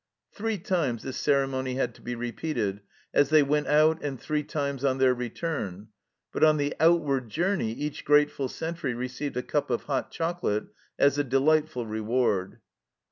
Three times this ceremony had to be repeated as they went out and three times on their return, but on the outward journey each grateful sentry received a cup of hot chocolate as a delightful reward.